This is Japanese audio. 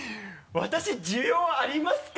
私需要ありますか？